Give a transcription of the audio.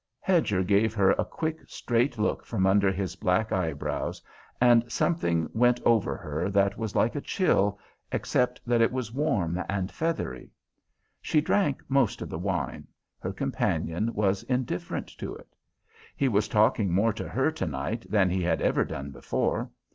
Hedger gave her a quick straight look from under his black eyebrows, and something went over her that was like a chill, except that it was warm and feathery. She drank most of the wine; her companion was indifferent to it. He was talking more to her tonight than he had ever done before.